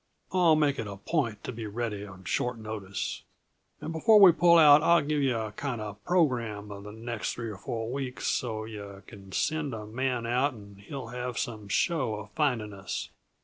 I'll make it a point to be ready on short notice. And before we pull out I'll give yuh a kinda programme uh the next three or four weeks, so yuh can send a man out and he'll have some show uh finding us.